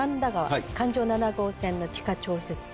環状七号線の地下調節池。